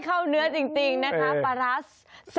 ปลอดภัย